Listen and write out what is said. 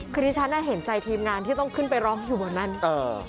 คือที่ฉันน่ะเห็นใจทีมงานที่ต้องขึ้นไปร้องอยู่บนนั้นเออ